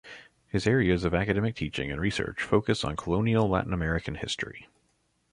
His areas of academic teaching and research focus on colonial Latin American history.